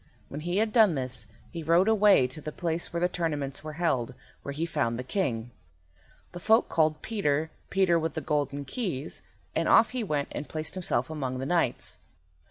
When he had done this he rode away to the place where the tournaments were held, where he found the King. The folk called Peter, Peter with the Golden Keys, and off he went and placed himself among the knights.